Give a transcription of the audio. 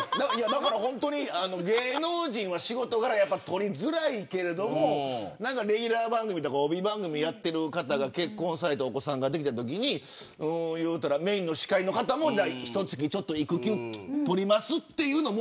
芸能人は仕事柄取りづらいけどレギュラー番組とか帯番組をやっている方が結婚して子どもができたときにメーンの司会の方も１月育休を取りますというのも。